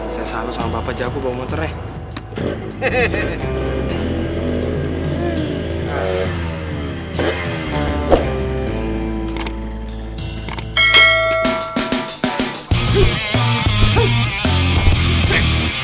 saya salu sama bapak jago bawa motor ya